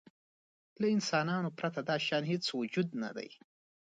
له انسانانو پرته دا شیان هېڅ موجود نهدي.